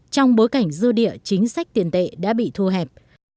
trong bối cảnh dư địa chính sách tiền tệ đã bị thu hẹp